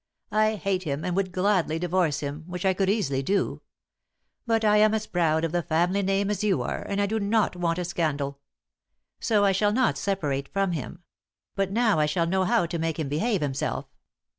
I hate him, and would gladly divorce him which I could easily do. But I am as proud of the family name as you are, and I do not want a scandal. So I shall not separate from him; but now I shall know how to make him behave himself."